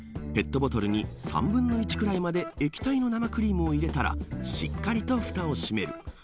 ペットボトルに３分の１ぐらいまで液体の生クリームを入れたらしっかりとふたを閉める。